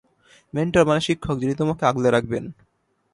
Mentor মানে শিক্ষক যিনি তোমাকে আগলে রাখবেন।